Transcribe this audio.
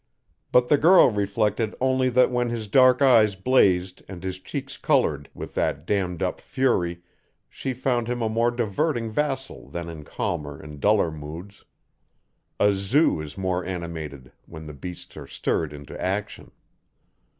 But the girl reflected only that when his dark eyes blazed and his cheeks colored with that dammed up fury she found him a more diverting vassal than in calmer and duller moods. A zoo is more animated when the beasts are stirred into action.